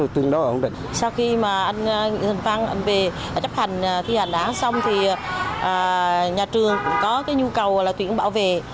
thì hành án xong thì nhà trường cũng có cái nhu cầu là tuyển bảo vệ